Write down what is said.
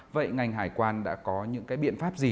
vậy ngành hải quan đã có những cái biện pháp gì